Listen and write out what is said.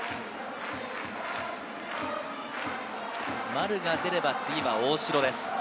丸が出れば次は大城です。